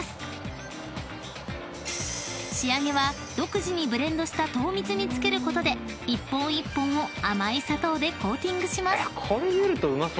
［仕上げは独自にブレンドした糖蜜に漬けることで一本一本を甘い砂糖でコーティングします］